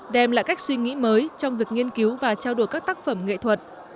đem lại cách suy nghĩ mới trong việc nghiên cứu và trao đổi các tác phẩm nghệ thuật